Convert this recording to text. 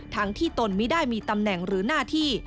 ทั้งที่ตนไม่ได้มีตำแหน่งหรือหน้าที่